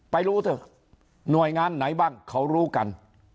รู้เถอะหน่วยงานไหนบ้างเขารู้กัน